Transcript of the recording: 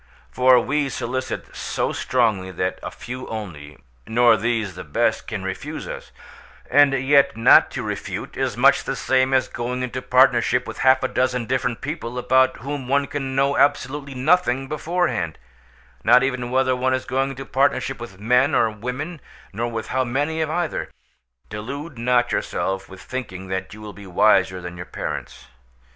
For we solicit so strongly that a few only—nor these the best—can refuse us; and yet not to refuse is much the same as going into partnership with half a dozen different people about whom one can know absolutely nothing beforehand—not even whether one is going into partnership with men or women, nor with how many of either. Delude not yourself with thinking that you will be wiser than your parents.